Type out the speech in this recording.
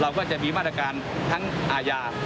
ก็จะมีมาตรการทั้งอาญา